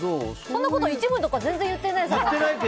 そんなこと、一部とか全然言ってないじゃん！